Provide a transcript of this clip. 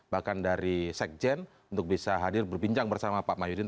bahkan dari sekjen untuk bisa hadir berbincang bersama pak mahyudin